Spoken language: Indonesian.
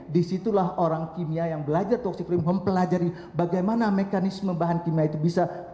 disitulah orang kimia yang belajar toksikrim mempelajari bagaimana mekanisme bahan kimia itu bisa